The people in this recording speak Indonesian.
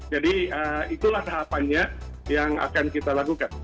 jadi itulah tahapannya yang akan kita lakukan